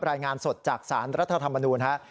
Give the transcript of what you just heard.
รายงานสดจากสารรัฐธรรมนูญฮะ